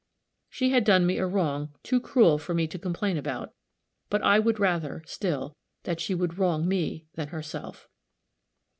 She had done me a wrong too cruel for me to complain about; but I would rather, still, that she would wrong me than herself.